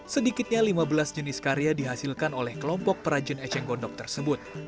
sedikitnya lima belas jenis karya dihasilkan oleh kelompok perajin eceng gondok tersebut